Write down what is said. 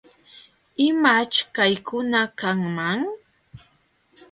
¿Imaćh chaykuna kanman?